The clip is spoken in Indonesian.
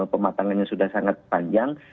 pematangan yang sudah sangat panjang